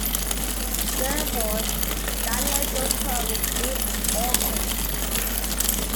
Therefore, Danielle goes home with Bree and Orson.